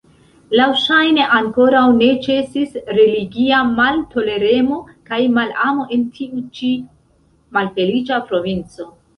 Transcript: Laŭŝajne ankoraŭ ne ĉesis religia maltoleremo kaj malamo en tiu ĉi malfeliĉa provinco.